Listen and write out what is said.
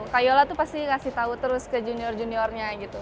kak yola tuh pasti ngasih tahu terus ke junior juniornya gitu